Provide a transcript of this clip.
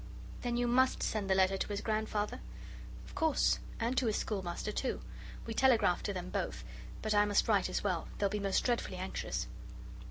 "Then you MUST send the letter to his grandfather?" "Of course and to his schoolmaster, too. We telegraphed to them both, but I must write as well. They'll be most dreadfully anxious."